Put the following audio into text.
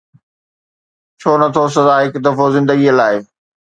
ڇو نه ٿو سزا هڪ دفعو زندگيءَ لاءِ؟